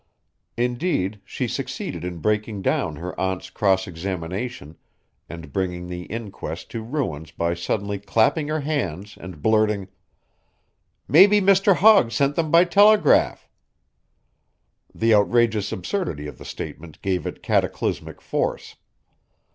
Indeed, she succeeded in breaking down her aunt's cross examination and bringing the inquest to ruins by suddenly clapping her hands and blurting: "Maybe Mr. Hogg sent them by telegraph." The outrageous absurdity of the statement gave it cataclysmic force.